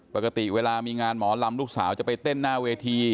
ปกติเวลามีงานหมอลำลูกสาวจะไปเต้นหน้าเวที